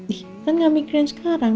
ih kan gak mikirin sekarang